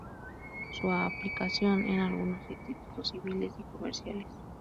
Su aplicación en algunos institutos civiles y comerciales".